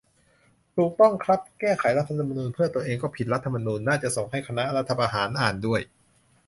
ถูกต้องครับ "แก้ไขรัฐธรรมนูญเพื่อตัวเองก็ผิดรัฐธรรมนูญ" น่าจะส่งให้คณะรัฐประหารอ่านด้วย